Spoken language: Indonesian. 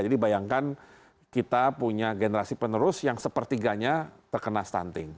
jadi bayangkan kita punya generasi penerus yang sepertiganya terkena stunting